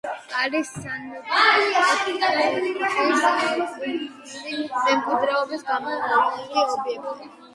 არის სანქტ-პეტერბურგის კულტურული მემკვიდრეობის გამოვლენილი ობიექტი.